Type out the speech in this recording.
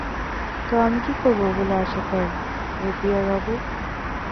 তো আমি কী করবো বলে আশা করেন, এফবিআই বাবু?